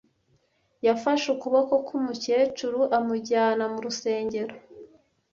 Yafashe ukuboko k'umukecuru amujyana mu rusengero.